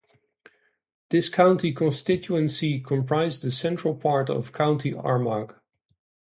This county constituency comprised the central part of County Armagh.